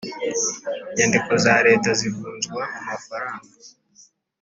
inyandiko za Leta zivunjwa mu mafaranga